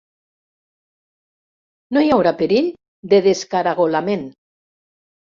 No hi haurà perill de descaragolament.